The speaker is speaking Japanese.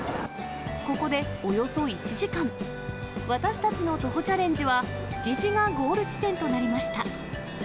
ここでおよそ１時間、私たちの徒歩チャレンジは、築地がゴール地点となりました。